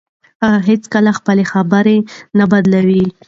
هغه هیڅکله خپله خبره نه بدلوي.